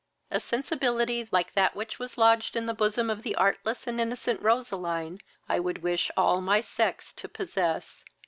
A sensibility, like that which was lodged in the bosom of the artless and innocent Roseline, I would wish all my sex to possess.